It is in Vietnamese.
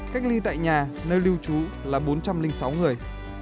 cách ly tại nhà nơi lưu trú là bốn trăm linh sáu người